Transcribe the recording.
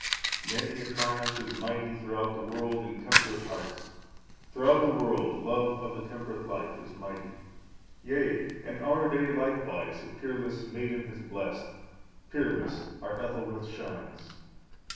"Many a triumph is mighty throughout the world in temperate hearts; throughout the world love of the temperate life is mighty. "Yea, and our day likewise a peerless maiden has blessed; peerless our Ethelthryth shines.